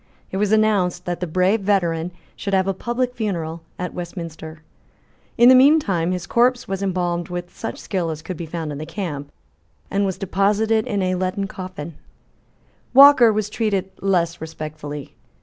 It was announced that the brave veteran should have a public funeral at Westminster. In the mean time his corpse was embalmed with such skill as could be found in the camp, and was deposited in a leaden coffin, Walker was treated less respectfully.